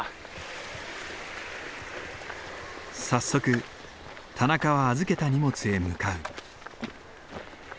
早速田中は預けた荷物へ向かう。